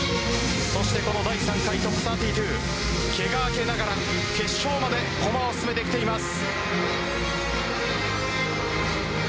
そして、この第３回ＴＯＰ３２けが明けながら決勝まで駒を進めてきてます。